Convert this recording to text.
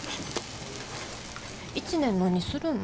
１年何するん？